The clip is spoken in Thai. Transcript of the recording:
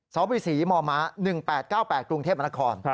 สวบุรีศรีมม๑๘๙๘กรุงเทพฯมค